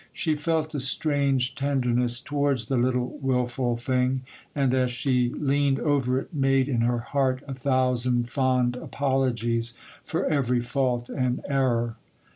She felt a strange tenderness towards the little wilful thing, and, as she leaned over it, made in her heart a thousand fond apologies for every fault and error.